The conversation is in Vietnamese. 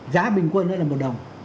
giá bình quân là một đồng